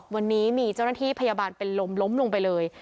วันนี้มีเจ้าหน้าที่พยาบาลเป็นลมล้มลงไปเลย